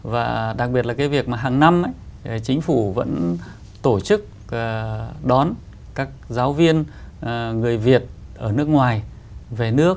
và đặc biệt là cái việc mà hàng năm chính phủ vẫn tổ chức đón các giáo viên người việt ở nước ngoài về nước